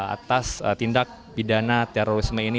atas tindak pidana terorisme ini